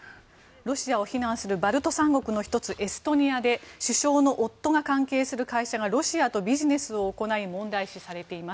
ロシアを非難するバルト三国の１つエストニアで首相の夫が関係するロシアでビジネスをすることが問題視されています。